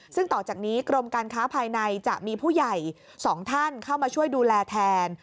ซึ่งต่อจากนี้กรมการค้าภายในจะมีผู้ใหญ่๒ท่านเข้ามาช่วยดูแลแทน